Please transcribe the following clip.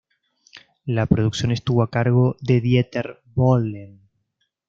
La producción estuvo a cargo de Dieter Bohlen.